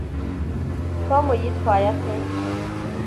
tom yitwaye ate